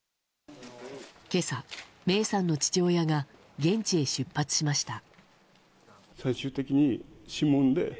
今朝、芽生さんの父親が現地へ出発しました。